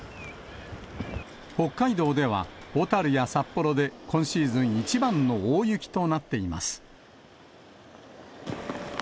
北海道では小樽や札幌で、今シーズン一番の大雪となっています。